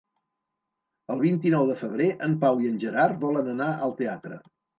El vint-i-nou de febrer en Pau i en Gerard volen anar al teatre.